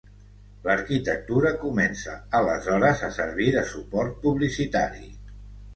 L'arquitectura comença aleshores a servir de suport publicitari.